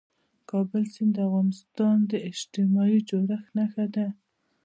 د کابل سیند د افغانستان د اجتماعي جوړښت برخه ده.